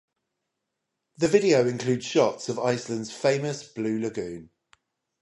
The video includes shots of Iceland's famous Blue Lagoon.